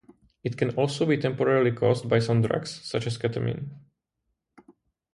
It can also be temporarily caused by some drugs, such as ketamine.